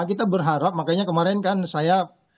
kita berharap makanya kemarin kan saya